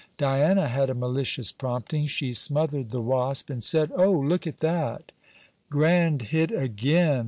Diana had a malicious prompting. She smothered the wasp, and said: 'Oh! look at that!' 'Grand hit again!